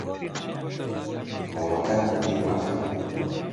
مۆمەکان لەبیر مەکە.